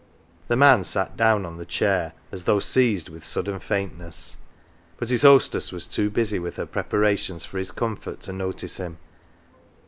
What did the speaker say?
The man sat down on the chair, as 244 "OUR JOE" though seized with sudden faintness, but his hostess was too busy with her preparations for his comfort to notice him.